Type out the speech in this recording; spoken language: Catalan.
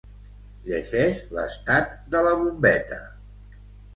Llegeix l'estat de la bombeta.